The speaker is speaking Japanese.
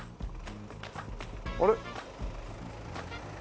あれ？